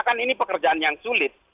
kan ini pekerjaan yang sulit